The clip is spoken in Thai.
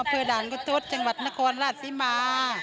อพฤดาลกุฏุธจังหวัดนครราชสิมา